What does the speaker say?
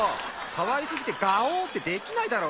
かわいすぎてガオッてできないだろ！